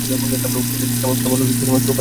তারপরে প্রতিটা দিন কেবল সুখ আর সুখ।